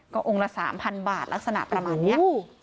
ก็องค์ละ๓๐๐บาทลักษณะประมาณนี้